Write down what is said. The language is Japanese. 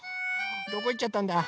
どこいっちゃったんだ？